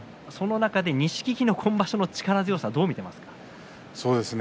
この中で錦木の今場所の力強さどう感じていますか？